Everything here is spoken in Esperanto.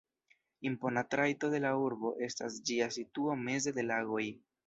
Impona trajto de la urbo estas ĝia situo meze de lagoj.